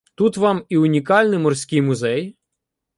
Тут вам –і унікальний морський музей